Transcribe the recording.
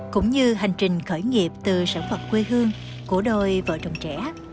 cũng như hành trình khởi nghiệp từ sản vật quê hương của đôi vợ chồng trẻ